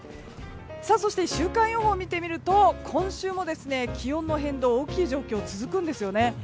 そして、週間予報を見てみると今週も気温の変動大きい状況続くんですよね。